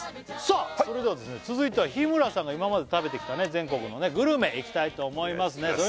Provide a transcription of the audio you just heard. さあそれでは続いては日村さんが今まで食べてきた全国のグルメいきたいと思いますね